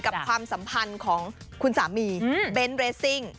ความสัมพันธ์ของคุณสามีเบนท์เรสซิ่ง